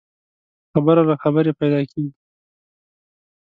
خبره له خبري پيدا کېږي.